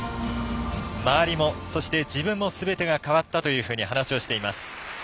周りも、そして自分もすべてが変わったというふうに話をしています。